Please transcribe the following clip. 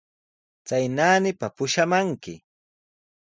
Chay naanipa pushamanki.